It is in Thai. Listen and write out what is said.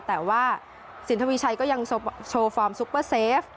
แต่ว่าสินทวีชัยก็ยังโชว์ฟอร์มซุปเปอร์เซฟ